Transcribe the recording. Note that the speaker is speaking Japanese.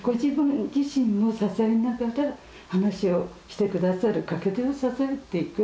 ご自分自身を支えながら話をしてくださるかけ手を支えていく。